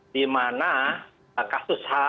di mana kasus aktifitas